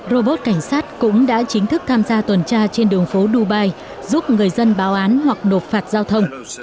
robot cảnh sát cũng đã chính thức tham gia tuần tra trên đường phố dubai giúp người dân báo án hoặc nộp phạt giao thông